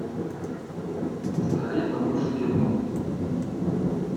Старий конюший кивнув.